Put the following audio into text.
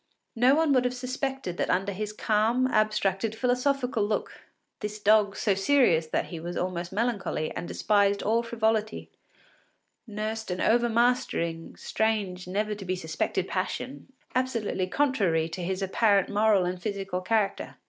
No one would have suspected that under his calm, abstracted, philosophical look, this dog, so serious that he was almost melancholy, and despised all frivolity, nursed an overmastering, strange, never to be suspected passion, absolutely contrary to his apparent moral and physical character.